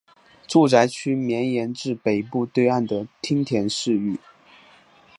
住宅区绵延至北部对岸的町田市域。